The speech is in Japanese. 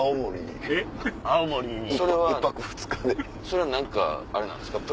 それは何かあれなんですか？